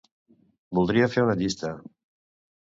Voldria fer una llista.